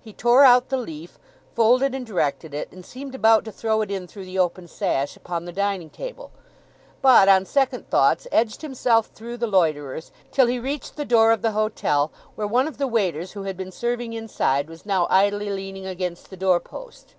He tore out the leaf, folded and directed it, and seemed about to throw it in through the open sash upon the dining table; but, on second thoughts, edged himself through the loiterers, till he reached the door of the hotel, where one of the waiters who had been serving inside was now idly leaning against the doorpost.